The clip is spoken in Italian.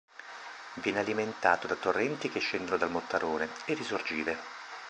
Viene alimentato da torrenti che scendono dal Mottarone e risorgive.